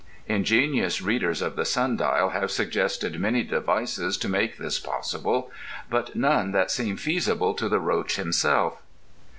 Ingenious readers of the Sun Dial have suggested many devices to make this possible, but none that seem feasible to the roach himself.